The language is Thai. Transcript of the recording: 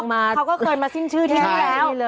เคยมาสิ้นชื่อที่ที่แล้ว